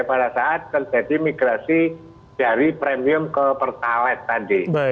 pada saat terjadi migrasi dari premium ke pertalite tadi